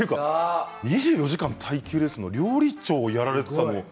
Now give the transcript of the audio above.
２４時間耐久レースの料理長をやられていたんですね。